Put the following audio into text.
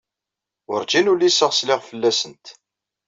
Werǧin uliseɣ sliɣ fell-asent.